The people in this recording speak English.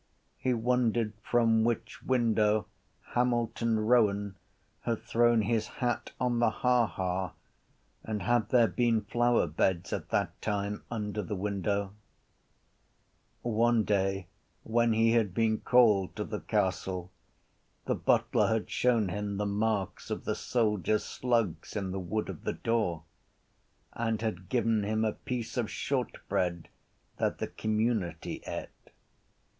He wondered from which window Hamilton Rowan had thrown his hat on the haha and had there been flowerbeds at that time under the windows. One day when he had been called to the castle the butler had shown him the marks of the soldiers’ slugs in the wood of the door and had given him a piece of shortbread that the community ate.